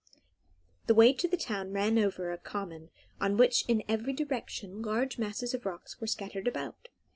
The way to the town ran over a common on which in every direction large masses of rocks were scattered about.